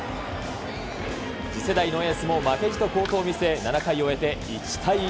次世代のエースも負けじと好投を見せ、７回終えて１対１。